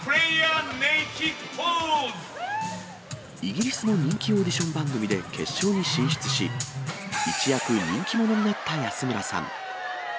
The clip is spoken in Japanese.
イギリスの人気オーディション番組で決勝に進出し、一躍人気者になった安村さん。